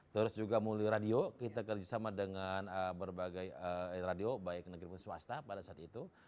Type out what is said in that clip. terus juga mulai radio kita kerjasama dengan berbagai radio baik negeri maupun swasta pada saat itu